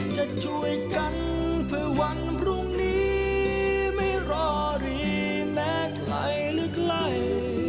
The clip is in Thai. จะช่วยกันเพื่อวันพรุ่งนี้ไม่รอรีแม้ใครหรือใกล้